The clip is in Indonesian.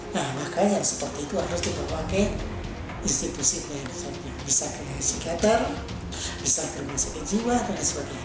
nah makanya yang seperti itu harus dipakai institusi yang bisa kena psikiatra bisa kena psikoterapi jiwa dan sebagainya